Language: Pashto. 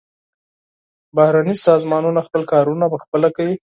بهرني سازمانونه خپل کارونه پخپله کوي.